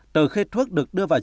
từ khi thuốc được đưa vào trường